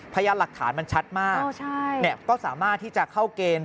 พยานหลักฐานมันชัดมากก็สามารถที่จะเข้าเกณฑ์